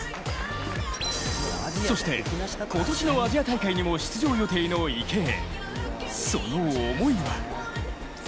そして今年のアジア大会にも出場予定の池江。